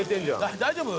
大丈夫？